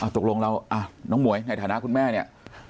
ตกลงเราน้องหมวยในฐานะคุณแม่เนี่ย